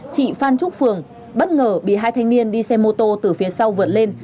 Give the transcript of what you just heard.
chị phan trúc phường bất ngờ bị hai thanh niên đi xe mô tô từ phía sau vượt lên